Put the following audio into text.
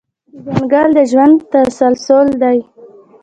ځنګل د ژوند تسلسل دی.